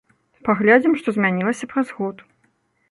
Паглядзім, што змянілася праз год.